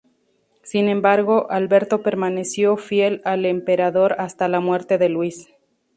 Sin embargo, Alberto permaneció fiel al emperador hasta la muerte de Luis.